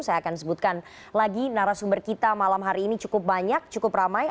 saya akan sebutkan lagi narasumber kita malam hari ini cukup banyak cukup ramai